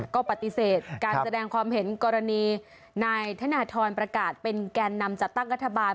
ก็ปฏิเสธการแสดงความเห็นกรณีนายนาธนธรการใกล้นำจากตั้งรัฐบาล